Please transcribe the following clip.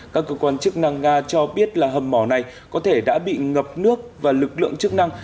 các cơ quan chức năng nga cho biết là hầm mỏ này có thể đã bị ngập nước và lực lượng chức năng